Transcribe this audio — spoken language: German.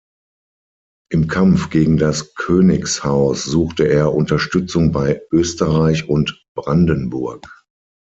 Im Kampf gegen das Königshaus suchte er Unterstützung bei Österreich und Brandenburg.